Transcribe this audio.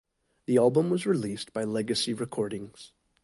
The album was released by Legacy Recordings.